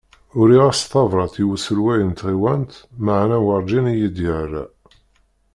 Uriɣ-as tabrat i uselway n tɣiwant maɛna warǧin iyi-d-yerra.